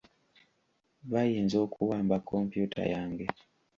Bayinza okuwamba kompyuta yange.